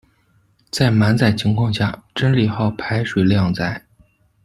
在满载状况下，真理号排水量在。